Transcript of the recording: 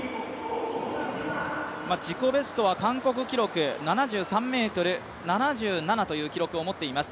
自己ベストは韓国記録７３ｍ７７という記録を持っています。